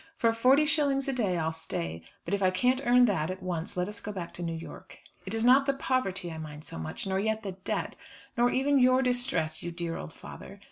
For forty shillings a day I'll stay; but if I can't earn that at once let us go back to New York. It is not the poverty I mind so much, nor yet the debt, nor yet even your distress, you dear old father.